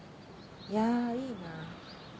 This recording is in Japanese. いやいいな。